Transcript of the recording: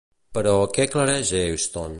Però, què aclareix Easton?